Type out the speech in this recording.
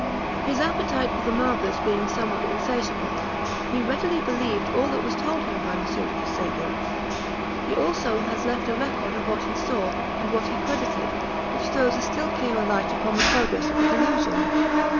His appetite for the marvellous being somewhat insatiable, he readily believed all that was told him by M. de Puysegur. He also has left a record of what he saw, and what he credited, which throws a still clearer light upon the progress of the delusion.